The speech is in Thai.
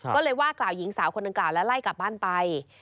ก็เลยว่ากล่าวหญิงสาวคนดังกล่าวแล้วไล่กลับบ้านไป